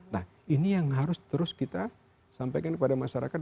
nah ini yang harus terus kita sampaikan kepada masyarakat